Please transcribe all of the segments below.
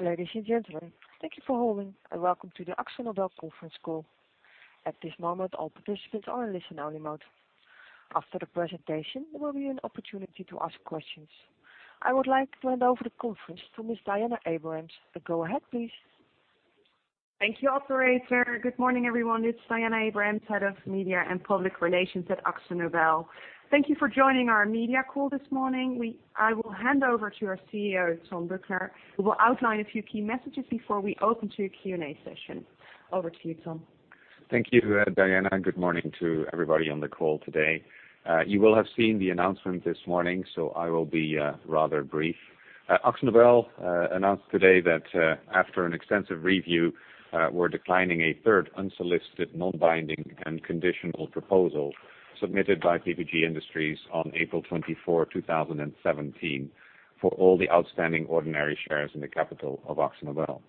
Ladies and gentlemen, thank you for holding, and welcome to the Akzo Nobel conference call. At this moment, all participants are in listen only mode. After the presentation, there will be an opportunity to ask questions. I would like to hand over the conference to Ms. Diana Abrahams. Go ahead, please. Thank you, operator. Good morning, everyone. It's Diana Abrahams, head of media and public relations at Akzo Nobel. Thank you for joining our media call this morning. I will hand over to our CEO, Ton Büchner, who will outline a few key messages before we open to a Q&A session. Over to you, Ton. Thank you, Diana. Good morning to everybody on the call today. You will have seen the announcement this morning, so I will be rather brief. Akzo Nobel announced today that after an extensive review, we're declining a third unsolicited, non-binding, and conditional proposal submitted by PPG Industries on April 24, 2017, for all the outstanding ordinary shares in the capital of Akzo Nobel.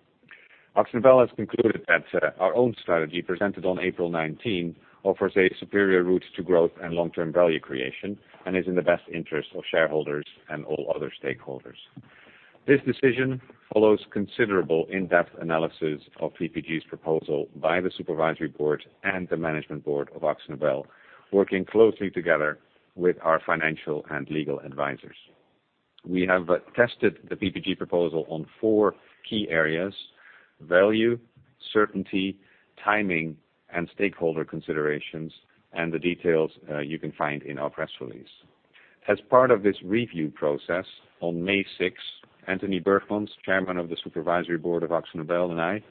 Akzo Nobel has concluded that our own strategy presented on April 19 offers a superior route to growth and long-term value creation and is in the best interest of shareholders and all other stakeholders. This decision follows considerable in-depth analysis of PPG's proposal by the supervisory board and the management board of Akzo Nobel, working closely together with our financial and legal advisors. We have tested the PPG proposal on four key areas: value, certainty, timing, and stakeholder considerations, and the details you can find in our press release. As part of this review process, on May 6, Antony Burgmans, chairman of the supervisory board of Akzo Nobel, and I,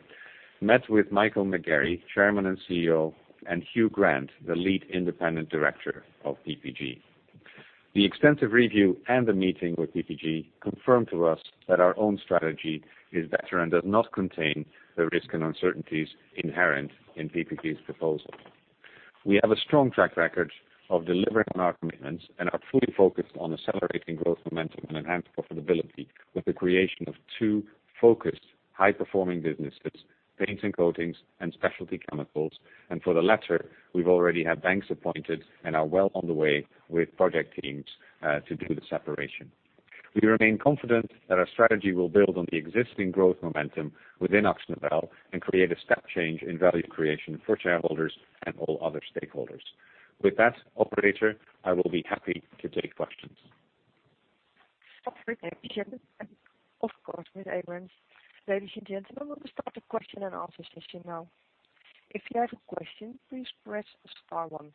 met with Michael McGarry, chairman and CEO, and Hugh Grant, the lead independent director of PPG. The extensive review and the meeting with PPG confirmed to us that our own strategy is better and does not contain the risk and uncertainties inherent in PPG's proposal. We have a strong track record of delivering on our commitments and are fully focused on accelerating growth momentum and enhanced profitability with the creation of two focused, high-performing businesses, paints and coatings, and specialty chemicals. For the latter, we've already had banks appointed and are well on the way with project teams to do the separation. We remain confident that our strategy will build on the existing growth momentum within Akzo Nobel and create a step change in value creation for shareholders and all other stakeholders. With that, operator, I will be happy to take questions. Of course, Ms. Abrahams. Ladies and gentlemen, we will start the question and answer session now. If you have a question, please press star one.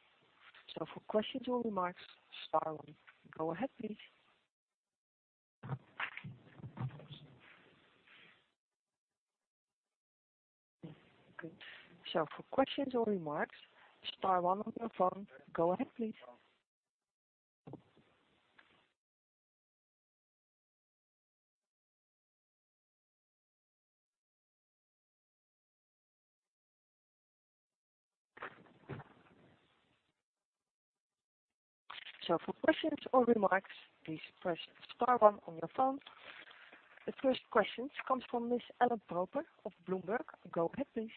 For questions or remarks, star one. Go ahead, please. Okay. For questions or remarks, star one on your phone. Go ahead, please. For questions or remarks, please press star one on your phone. The first question comes from Ms. Ellen Proper of Bloomberg. Go ahead, please.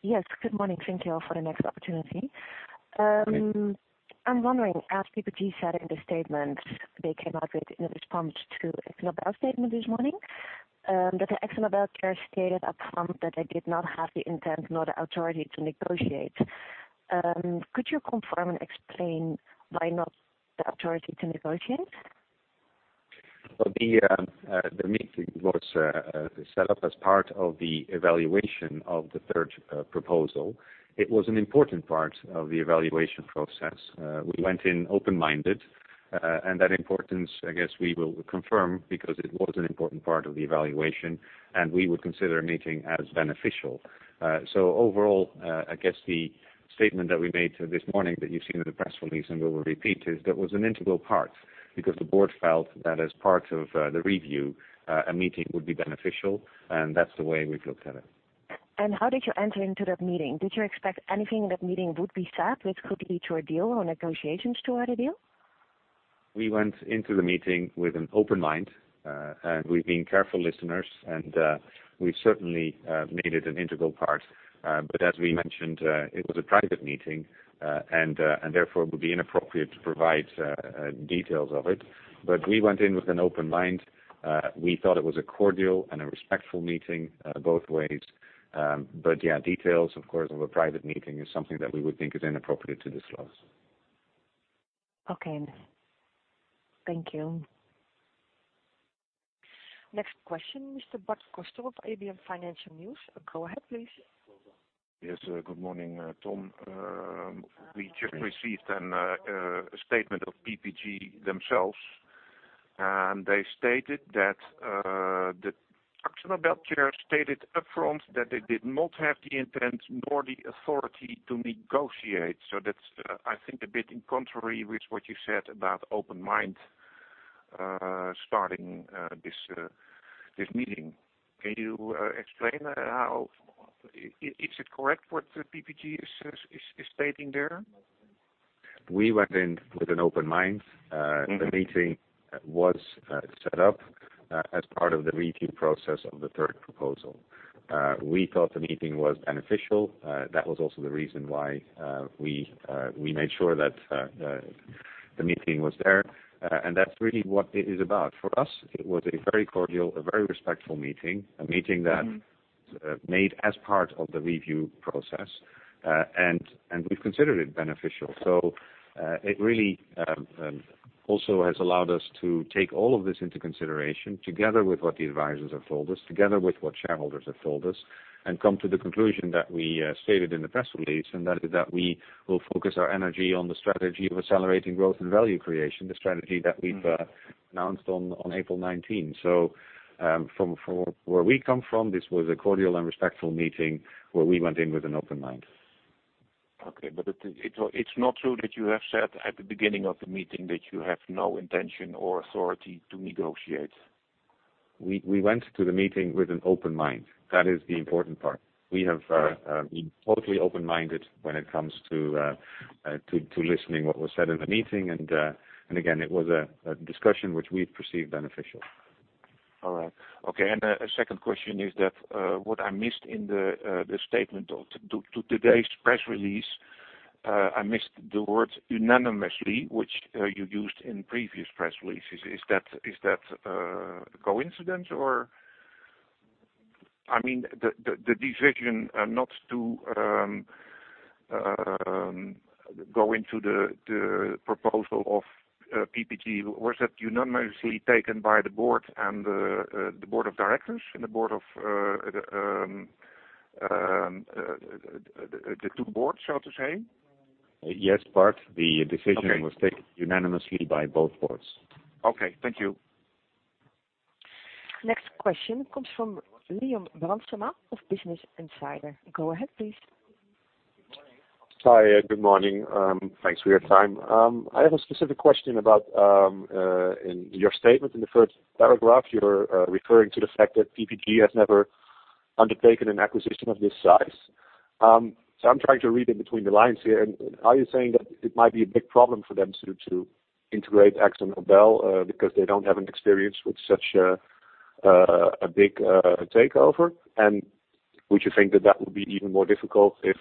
Yes. Good morning. Thank you for the next opportunity. Okay. I'm wondering, as PPG said in the statement, they came out with in response to Akzo Nobel statement this morning, that the Akzo Nobel Chair stated upfront that they did not have the intent nor the authority to negotiate. Could you confirm and explain why not the authority to negotiate? The meeting was set up as part of the evaluation of the third proposal. It was an important part of the evaluation process. We went in open-minded, and that importance, I guess, we will confirm because it was an important part of the evaluation, and we would consider a meeting as beneficial. Overall, I guess the statement that we made this morning that you see in the press release and we will repeat is that was an integral part because the board felt that as part of the review, a meeting would be beneficial, and that's the way we've looked at it. How did you enter into that meeting? Did you expect anything in that meeting would be said, which could lead to a deal or negotiations toward a deal? We went into the meeting with an open mind, and we've been careful listeners, and we certainly made it an integral part. As we mentioned, it was a private meeting, and therefore, it would be inappropriate to provide details of it. We went in with an open mind. We thought it was a cordial and a respectful meeting both ways. Yeah, details, of course, of a private meeting is something that we would think is inappropriate to disclose. Okay. Thank you. Next question, Mr. Bart Kosto of ABN Financial News. Go ahead, please. Yes. Good morning, Ton. We just received a statement of PPG themselves. They stated that the Akzo Nobel chair stated upfront that they did not have the intent nor the authority to negotiate. That's, I think, a bit in contrary with what you said about open mind starting this meeting. Can you explain how? Is it correct what PPG is stating there? We went in with an open mind. The meeting was set up as part of the review process of the third proposal. We thought the meeting was beneficial. That was also the reason why we made sure that the meeting was there. That's really what it is about. For us, it was a very cordial, a very respectful meeting, a meeting that made as part of the review process, and we've considered it beneficial. It really also has allowed us to take all of this into consideration, together with what the advisers have told us, together with what shareholders have told us, and come to the conclusion that we stated in the press release, and that is that we will focus our energy on the strategy of accelerating growth and value creation, the strategy that we've announced on April 19th. From where we come from, this was a cordial and respectful meeting where we went in with an open mind. Okay. It's not true that you have said at the beginning of the meeting that you have no intention or authority to negotiate? We went to the meeting with an open mind. That is the important part. We have been totally open-minded when it comes to listening what was said in the meeting, and again, it was a discussion which we've perceived beneficial. All right. Okay, a second question is that what I missed in the statement of today's press release, I missed the word unanimously, which you used in previous press releases. Is that a coincidence, or I mean, the decision not to go into the proposal of PPG, was that unanimously taken by the board and the board of directors and the two boards, so to say? Yes, Bart. Okay. The decision was taken unanimously by both boards. Okay. Thank you. Next question comes from Liam Bransma of Business Insider. Go ahead, please. Good morning. Hi, good morning. Thanks for your time. I have a specific question about in your statement in the first paragraph, you're referring to the fact that PPG has never undertaken an acquisition of this size. I'm trying to read in between the lines here. Are you saying that it might be a big problem for them to integrate AkzoNobel because they don't have an experience with such a big takeover? Would you think that that would be even more difficult if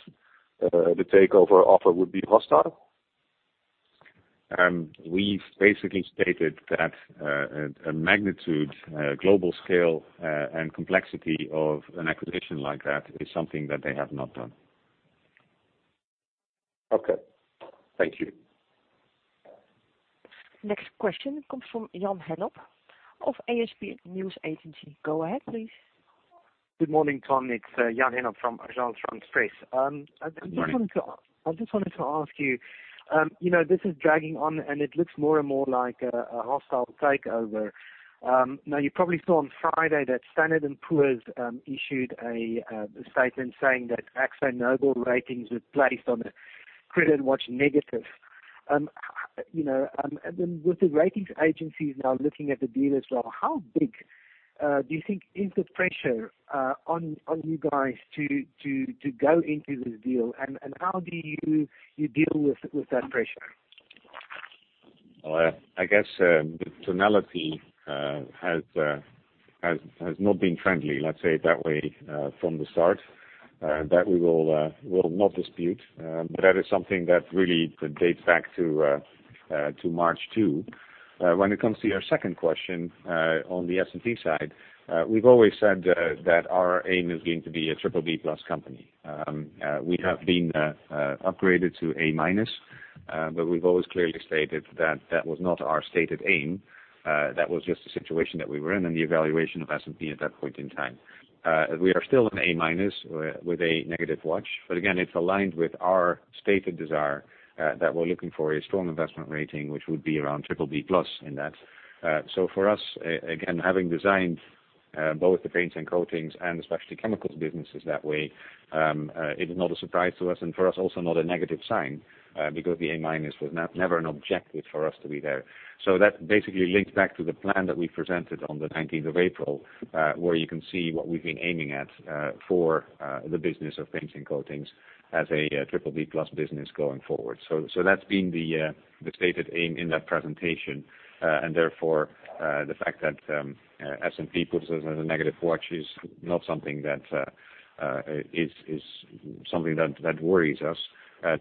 the takeover offer would be hostile? We've basically stated that a magnitude, global scale, and complexity of an acquisition like that is something that they have not done. Okay. Thank you. Next question comes from Jan Hennop of AFP News Agency. Go ahead, please. Good morning, Ton. It's Jan Hennop from Agence France-Presse. Good morning. I just wanted to ask you. This is dragging on, and it looks more and more like a hostile takeover. You probably saw on Friday that Standard & Poor's issued a statement saying that Akzo Nobel ratings was placed on a credit watch negative. With the ratings agencies now looking at the deal as well, how big do you think is the pressure on you guys to go into this deal? How do you deal with that pressure? Well, I guess, the tonality has not been friendly, let's say it that way, from the start. That we will not dispute. That is something that really dates back to March 2. When it comes to your second question, on the S&P side, we've always said that our aim is going to be a BBB+ company. We have been upgraded to A-, but we've always clearly stated that that was not our stated aim. That was just the situation that we were in and the evaluation of S&P at that point in time. We are still an A- with a negative watch. Again, it's aligned with our stated desire that we're looking for a strong investment rating, which would be around BBB+ in that. For us, again, having designed both the paints and coatings and especially chemicals businesses that way, it is not a surprise to us and for us also not a negative sign, because the A minus was never an objective for us to be there. That basically links back to the plan that we presented on the 19th of April, where you can see what we've been aiming at for the business of paints and coatings as a triple D plus business going forward. That's been the stated aim in that presentation, and therefore, the fact that S&P puts us as a negative watch is not something that worries us.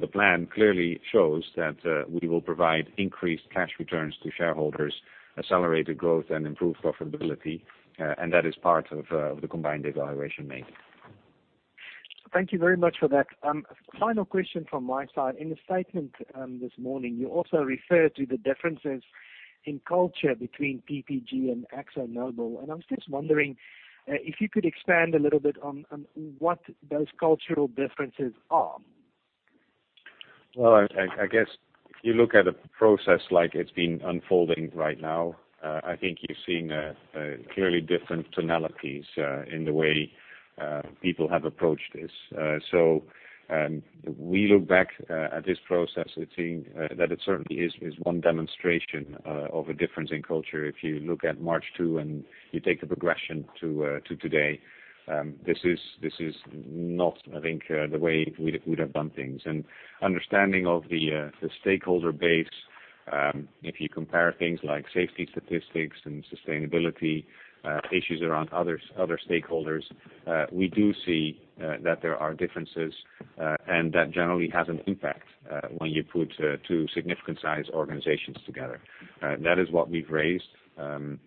The plan clearly shows that we will provide increased cash returns to shareholders, accelerated growth, and improved profitability, and that is part of the combined evaluation made. Thank you very much for that. Final question from my side. In the statement this morning, you also referred to the differences in culture between PPG and AkzoNobel, and I'm just wondering if you could expand a little bit on what those cultural differences are. I guess if you look at a process like it's been unfolding right now, I think you're seeing clearly different tonalities in the way people have approached this. We look back at this process with seeing that it certainly is one demonstration of a difference in culture. If you look at March 2, and you take a progression to today. This is not, I think, the way we would have done things. Understanding of the stakeholder base, if you compare things like safety statistics and sustainability issues around other stakeholders, we do see that there are differences, and that generally has an impact when you put two significant size organizations together. That is what we've raised, and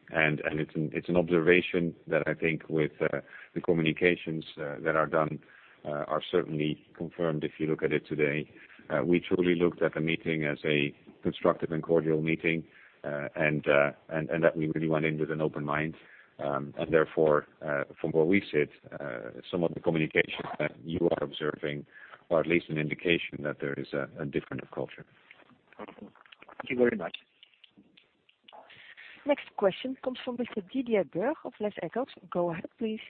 it's an observation that I think with the communications that are done are certainly confirmed if you look at it today. We truly looked at the meeting as a constructive and cordial meeting, and that we really went in with an open mind. Therefore, from where we sit, some of the communication that you are observing are at least an indication that there is a different culture. Thank you very much. Next question comes from Mr. Didier Burg of Les Echos. Go ahead, please.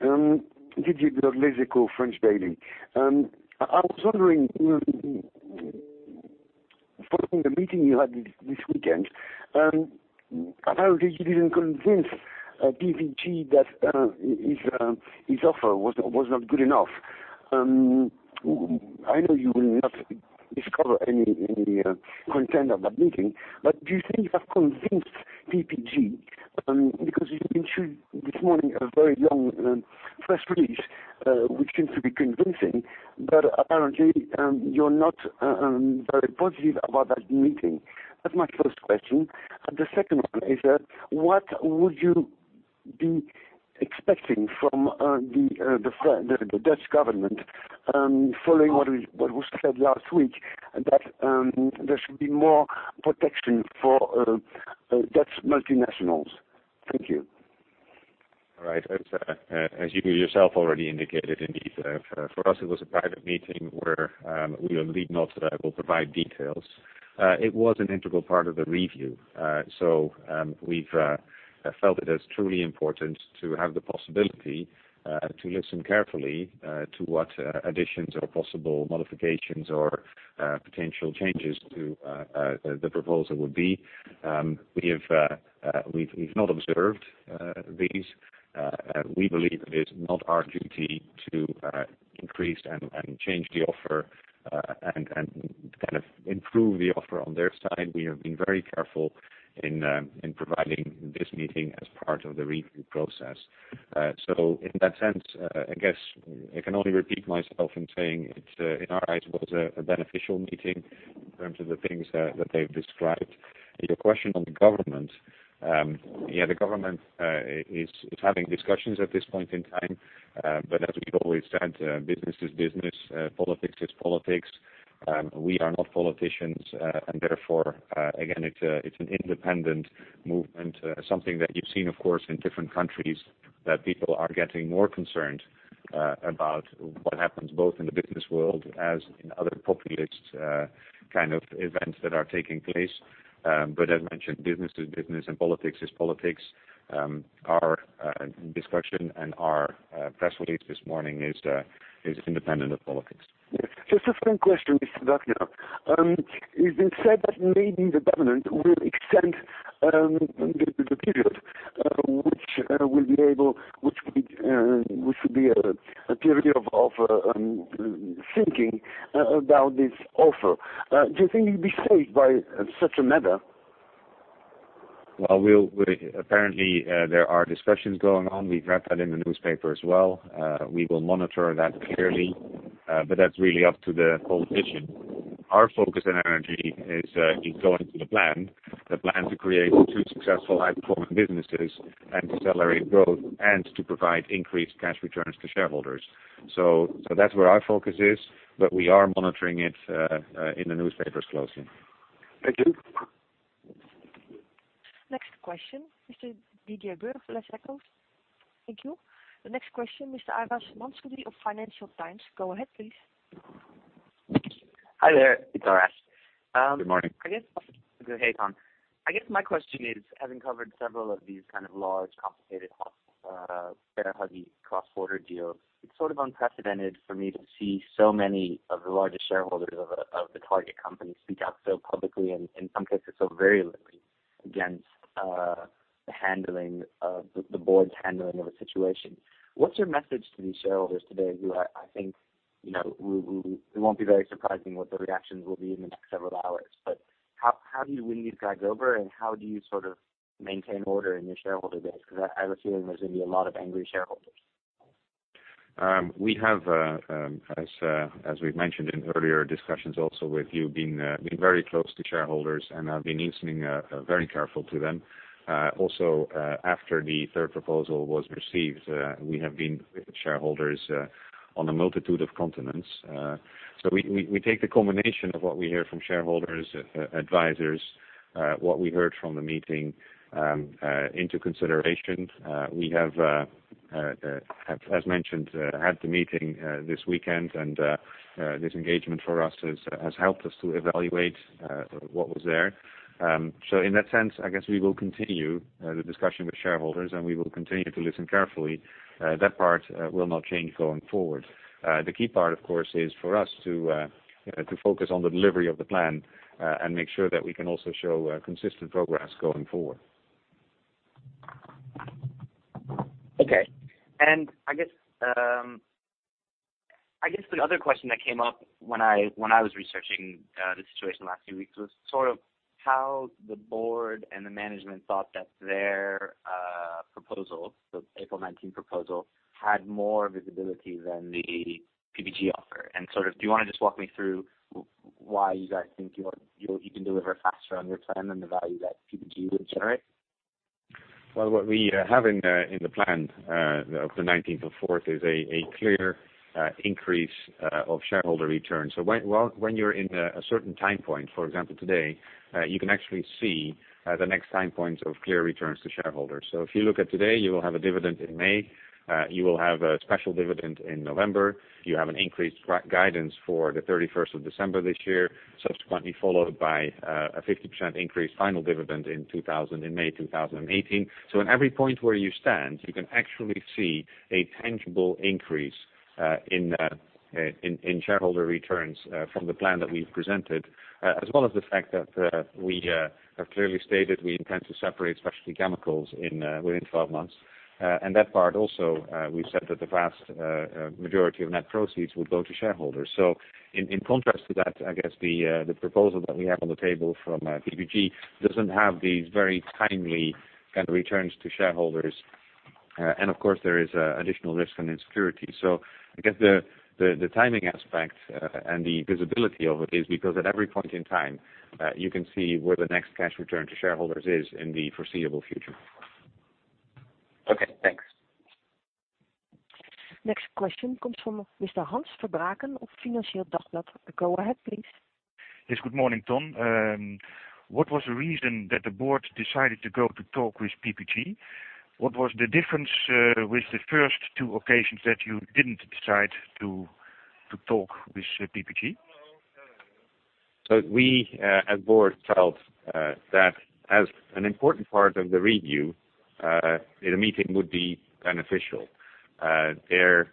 Didier Burg, Les Echos, French daily. I was wondering, following the meeting you had this weekend, apparently you didn't convince PPG that his offer was not good enough. I know you will not discover any of the content of that meeting, but do you think you have convinced PPG? Because you've issued this morning a very long press release, which seems to be convincing, but apparently, you're not very positive about that meeting. That's my first question. The second one is that what would you be expecting from the Dutch government, following what was said last week, that there should be more protection for Dutch multinationals? Thank you. Right. As you yourself already indicated, indeed, for us it was a private meeting where we will indeed not provide details. It was an integral part of the review. We've felt it as truly important to have the possibility to listen carefully to what additions or possible modifications or potential changes to the proposal would be. We've not observed these. We believe it is not our duty to increase and change the offer and improve the offer on their side. We have been very careful in providing this meeting as part of the review process. In that sense, I guess I can only repeat myself in saying it, in our eyes, was a beneficial meeting in terms of the things that they've described. Your question on the government. Yeah, the government is having discussions at this point in time. As we've always said, business is business, politics is politics. We are not politicians, and therefore, again, it's an independent movement. Something that you've seen, of course, in different countries, that people are getting more concerned about what happens both in the business world as in other populist kind of events that are taking place. As mentioned, business is business and politics is politics. Our discussion and our press release this morning is independent of politics. Just a second question, Michel van Agt now. It's been said that maybe the government will extend the period, which should be a period of thinking about this offer. Do you think you'd be swayed by such a measure? Well, apparently, there are discussions going on. We've read that in the newspaper as well. We will monitor that carefully, that's really up to the politician. Our focus and energy is going to the plan, the plan to create two successful high performing businesses and to accelerate growth and to provide increased cash returns to shareholders. That's where our focus is, but we are monitoring it in the newspapers closely. Thank you. Next question. Mr. Didier Burg, Les Echos. Thank you. The next question, Mr. Arash Massoudi of Financial Times. Go ahead, please. Hi there. It's Arash. Good morning. Hey, Ton. I guess my question is, having covered several of these kind of large, complicated, bear huggy cross-border deals, it's sort of unprecedented for me to see so many of the largest shareholders of the target company speak out so publicly, and in some cases so virulently, against the board's handling of the situation. What's your message to these shareholders today, who I think it won't be very surprising what the reactions will be in the next several hours. How do you win these guys over, and how do you maintain order in your shareholder base? I have a feeling there's going to be a lot of angry shareholders. We have, as we've mentioned in earlier discussions also with you, been very close to shareholders and have been listening very careful to them. Also, after the third proposal was received, we have been with shareholders on a multitude of continents. We take the combination of what we hear from shareholders, advisors, what we heard from the meeting into consideration. We have, as mentioned, had the meeting this weekend, and this engagement for us has helped us to evaluate what was there. In that sense, I guess we will continue the discussion with shareholders, and we will continue to listen carefully. That part will not change going forward. The key part, of course, is for us to focus on the delivery of the plan, and make sure that we can also show consistent progress going forward. Okay. I guess the other question that came up when I was researching the situation the last few weeks was sort of how the board and the management thought that their proposal, the April 19 proposal, had more visibility than the PPG offer. Do you want to just walk me through why you guys think you can deliver faster on your plan than the value that PPG would generate? Well, what we have in the plan of the 19th of April is a clear increase of shareholder return. When you're in a certain time point, for example, today, you can actually see the next time points of clear returns to shareholders. If you look at today, you will have a dividend in May, you will have a special dividend in November. You have an increased guidance for the 31st of December this year, subsequently followed by a 50% increase final dividend in May 2018. At every point where you stand, you can actually see a tangible increase in shareholder returns from the plan that we've presented. As well as the fact that we have clearly stated we intend to separate specialty chemicals within 12 months. That part also, we said that the vast majority of net proceeds will go to shareholders. In contrast to that, I guess the proposal that we have on the table from PPG doesn't have these very timely kind of returns to shareholders. Of course, there is additional risk and insecurity. I guess the timing aspect and the visibility of it is because at every point in time, you can see where the next cash return to shareholders is in the foreseeable future. Okay, thanks. Next question comes from Mr. Hans Verbruggen of Het Financieele Dagblad. Go ahead, please. Yes. Good morning, Ton. What was the reason that the board decided to go to talk with PPG? What was the difference with the first two occasions that you didn't decide to talk with PPG? We as board felt that as an important part of the review, a meeting would be beneficial. There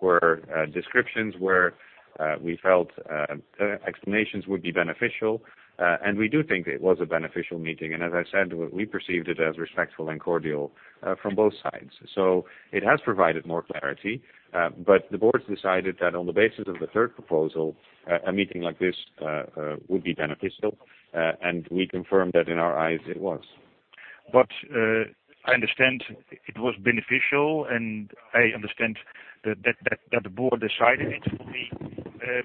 were descriptions where we felt explanations would be beneficial, and we do think it was a beneficial meeting. As I said, we perceived it as respectful and cordial from both sides. It has provided more clarity. The boards decided that on the basis of the third proposal, a meeting like this would be beneficial. We confirmed that in our eyes it was. I understand it was beneficial, I understand that the board decided it will be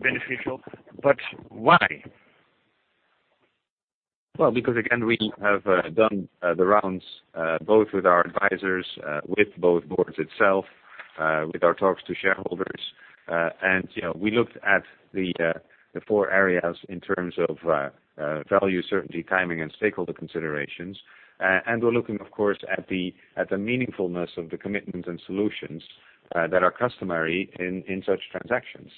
beneficial. Why? Because again, we have done the rounds, both with our advisors, with both boards itself, with our talks to shareholders. We looked at the four areas in terms of value, certainty, timing, and stakeholder considerations. We're looking, of course, at the meaningfulness of the commitments and solutions that are customary in such transactions.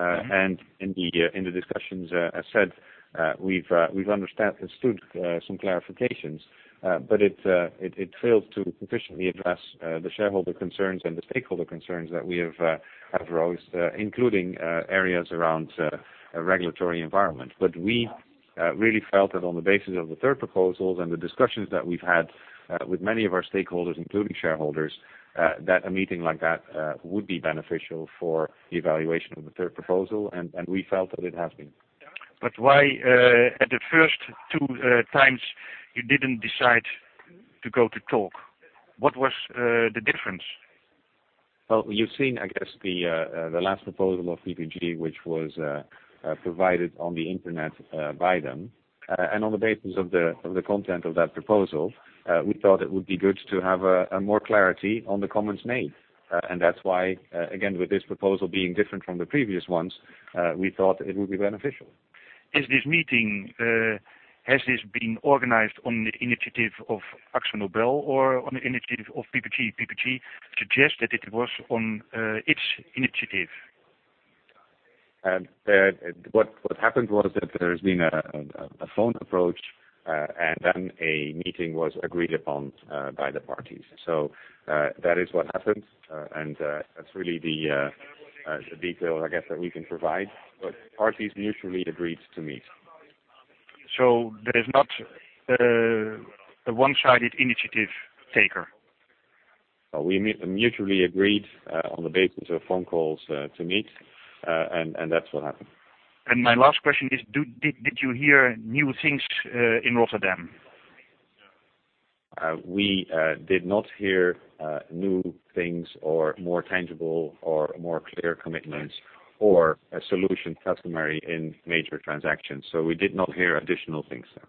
In the discussions, as I said, we've understood some clarifications, but it failed to sufficiently address the shareholder concerns and the stakeholder concerns that we have raised, including areas around regulatory environment. We really felt that on the basis of the third proposals and the discussions that we've had with many of our stakeholders, including shareholders, that a meeting like that would be beneficial for the evaluation of the third proposal, and we felt that it has been. Why at the first two times you didn't decide to go to talk? What was the difference? You've seen, I guess, the last proposal of PPG, which was provided on the internet by them. On the basis of the content of that proposal, we thought it would be good to have more clarity on the comments made. That's why, again, with this proposal being different from the previous ones, we thought it would be beneficial. Is this meeting, has this been organized on the initiative of AkzoNobel or on the initiative of PPG? PPG suggests that it was on its initiative. What happened was that there's been a phone approach, then a meeting was agreed upon by the parties. That is what happened. That's really the detail, I guess, that we can provide. Parties mutually agreed to meet. There is not a one-sided initiative taker? We mutually agreed, on the basis of phone calls, to meet, and that's what happened. My last question is, did you hear new things in Rotterdam? We did not hear new things or more tangible or more clear commitments or a solution customary in major transactions. We did not hear additional things there.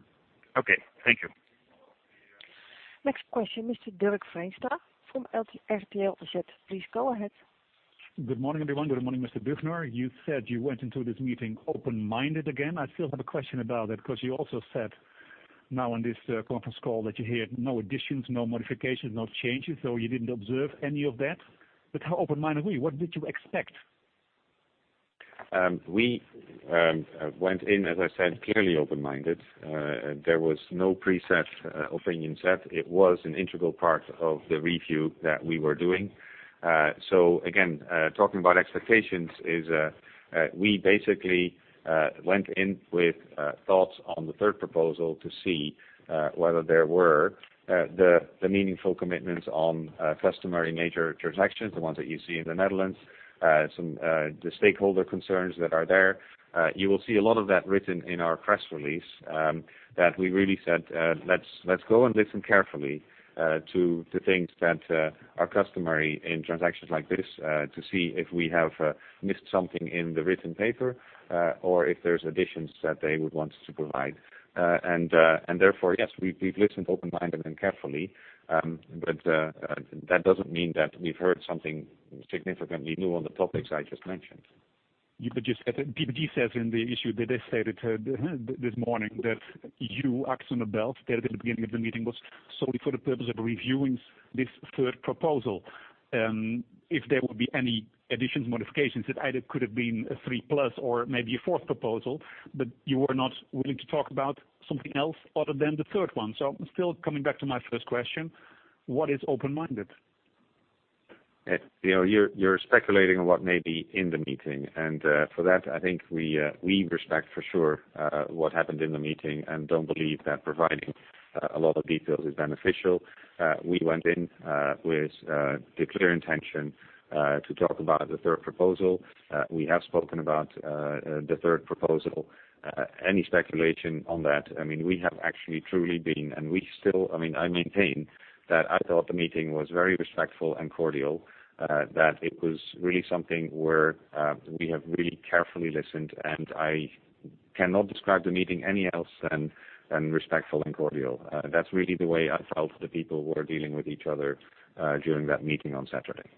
Okay. Thank you. Next question, Mr. Dirk Veenstra from RTL Z. Please go ahead. Good morning, everyone. Good morning, Mr. Büchner. You said you went into this meeting open-minded again. I still have a question about it, because you also said now on this conference call that you heard no additions, no modifications, no changes. You didn't observe any of that. How open-minded were you? What did you expect? We went in, as I said, clearly open-minded. There was no preset opinion set. It was an integral part of the review that we were doing. Again, talking about expectations is, we basically went in with thoughts on the third proposal to see whether there were the meaningful commitments on customary major transactions, the ones that you see in the Netherlands, the stakeholder concerns that are there. You will see a lot of that written in our press release, that we really said, let's go and listen carefully to things that are customary in transactions like this, to see if we have missed something in the written paper, or if there's additions that they would want to provide. Therefore, yes, we've listened open-minded and carefully. That doesn't mean that we've heard something significantly new on the topics I just mentioned. PPG says in the issue that they stated this morning that you, Akzo Nobel, there at the beginning of the meeting was solely for the purpose of reviewing this third proposal. If there would be any additions, modifications, it either could have been a three plus or maybe a fourth proposal, but you were not willing to talk about something else other than the third one. Still coming back to my first question, what is open-minded? You're speculating on what may be in the meeting. For that, I think we respect for sure what happened in the meeting and don't believe that providing a lot of details is beneficial. We went in with the clear intention to talk about the third proposal. We have spoken about the third proposal. Any speculation on that, we have actually truly been, and I maintain that I thought the meeting was very respectful and cordial, that it was really something where we have really carefully listened, and I cannot describe the meeting any else than respectful and cordial. That's really the way I felt the people were dealing with each other during that meeting on Saturday.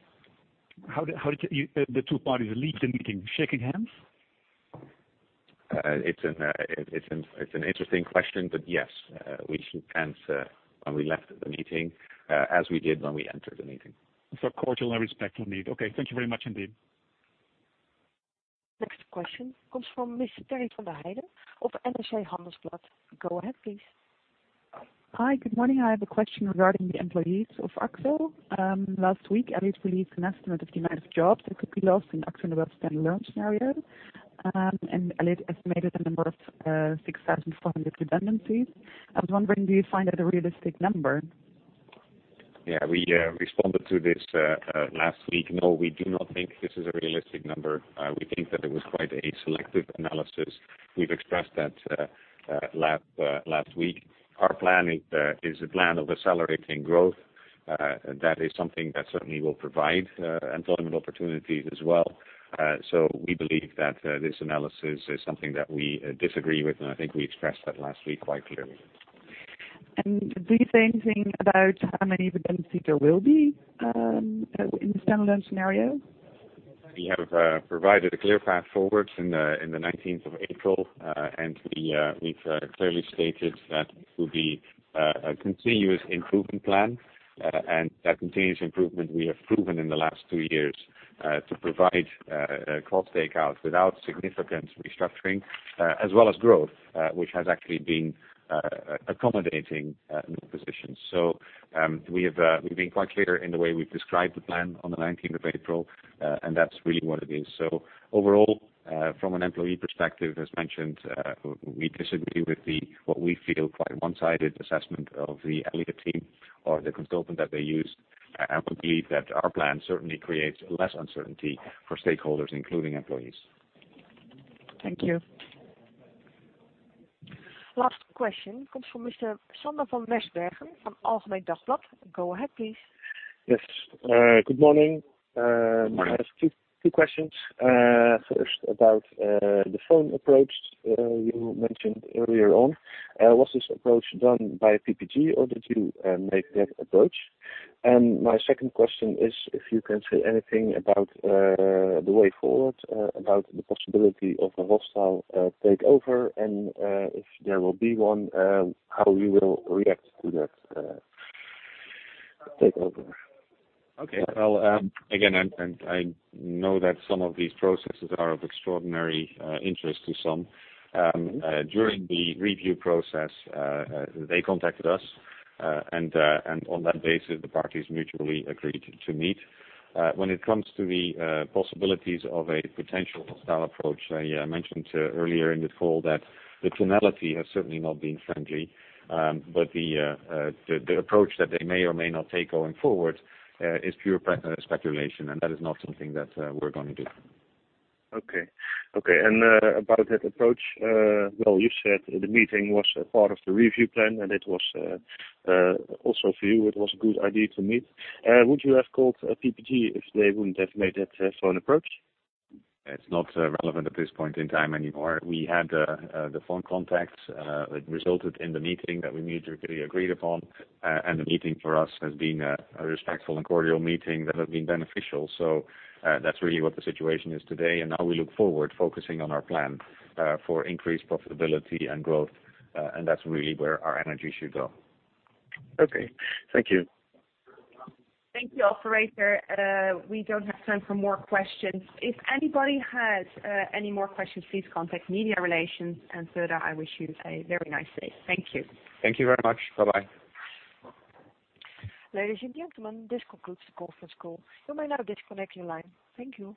How did the two parties leave the meeting? Shaking hands? It's an interesting question. Yes. We shook hands when we left the meeting as we did when we entered the meeting. A cordial and respectful meet. Okay, thank you very much indeed. Next question comes from Ms. Terry van der Heide of NRC Handelsblad. Go ahead, please. Hi, good morning. I have a question regarding the employees of Akzo. Last week, Elliott released an estimate of the amount of jobs that could be lost in Akzo Nobel standalone scenario. Elliott estimated the number of 6,400 redundancies. I was wondering, do you find that a realistic number? Yeah, we responded to this last week. No, we do not think this is a realistic number. We think that it was quite a selective analysis. We've expressed that last week. Our plan is a plan of accelerating growth. That is something that certainly will provide employment opportunities as well. We believe that this analysis is something that we disagree with. I think we expressed that last week quite clearly. Do you say anything about how many redundancies there will be in the standalone scenario? We have provided a clear path forward in the 19th of April. We've clearly stated that it will be a continuous improvement plan. That continuous improvement we have proven in the last two years to provide cost takeout without significant restructuring, as well as growth, which has actually been accommodating new positions. We've been quite clear in the way we've described the plan on the 19th of April, and that's really what it is. Overall, from an employee perspective, as mentioned, we disagree with what we feel quite a one-sided assessment of the Elliott team or the consultant that they use. We believe that our plan certainly creates less uncertainty for stakeholders, including employees. Thank you. Last question comes from Mr. Sander van Mersbergen from Algemeen Dagblad. Go ahead, please. Yes. Good morning. Good morning. I have two questions. First, about the phone approach you mentioned earlier on. Was this approach done by PPG, or did you make that approach? My second question is if you can say anything about the way forward, about the possibility of a hostile takeover, and if there will be one, how you will react to that takeover. Well, again, I know that some of these processes are of extraordinary interest to some. During the review process, they contacted us, and on that basis, the parties mutually agreed to meet. When it comes to the possibilities of a potential hostile approach, I mentioned earlier in the call that the tonality has certainly not been friendly. The approach that they may or may not take going forward is pure speculation, and that is not something that we're going to do. About that approach, well, you said the meeting was part of the review plan, and also for you, it was a good idea to meet. Would you have called PPG if they wouldn't have made that phone approach? It's not relevant at this point in time anymore. We had the phone contacts that resulted in the meeting that we mutually agreed upon. The meeting for us has been a respectful and cordial meeting that has been beneficial. That's really what the situation is today, and now we look forward focusing on our plan for increased profitability and growth. That's really where our energy should go. Okay. Thank you. Thank you. Operator, we don't have time for more questions. If anybody has any more questions, please contact media relations. Further, I wish you a very nice day. Thank you. Thank you very much. Bye-bye. Ladies and gentlemen, this concludes the conference call. You may now disconnect your line. Thank you.